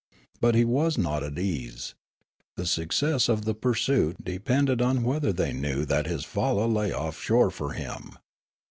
But he was not at ease. The success of the pursuit depended on whether the} knew that his falla lay oflF shore for him.